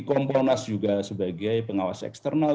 komponas juga sebagai pengawas eksternal